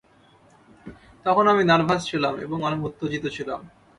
তখন আমি নার্ভাস ছিলাম এবং অনেক উত্তেজিত ছিলাম।